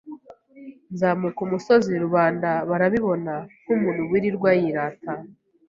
nzamuka umusozi rubanda barabibona nk’umuntu wirirwaga yirata